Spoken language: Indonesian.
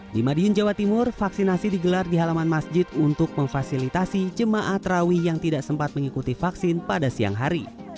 di madiun jawa timur vaksinasi digelar di halaman masjid untuk memfasilitasi jemaah terawih yang tidak sempat mengikuti vaksin pada siang hari